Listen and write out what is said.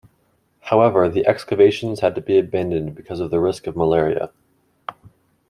However, the excavations had to be abandoned because of the risk of malaria.